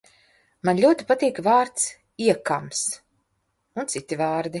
Man ļoti patīk vārds "iekams" un citi vārdi.